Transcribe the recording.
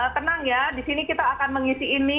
tenang ya di sini kita akan mengisi ini